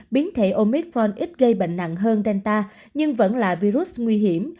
biến thể omicron ít gây bệnh nặng hơn delta nhưng vẫn là virus nguy hiểm